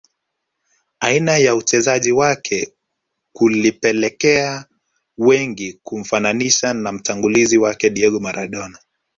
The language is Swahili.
Aina ya uchezaji wake kulipelekea wengi kumfananisha na mtangulizi wake Diego Maradona